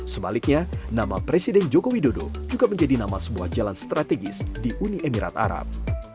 sebaliknya nama presiden joko widodo juga menjadi nama sebuah jalan strategis di uni emirat arab